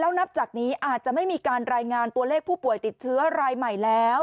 นับจากนี้อาจจะไม่มีการรายงานตัวเลขผู้ป่วยติดเชื้อรายใหม่แล้ว